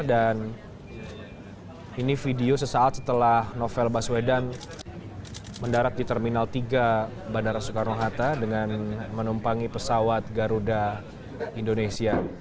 dan ini video sesaat setelah novel baswedan mendarat di terminal tiga bandara soekarno hatta dengan menumpangi pesawat garuda indonesia